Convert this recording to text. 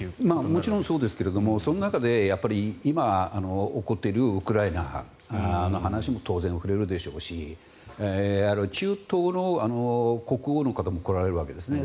もちろんそうですがその中で今、起こっているウクライナの話も当然触れるでしょうし中東の国王の方も来られるわけですね。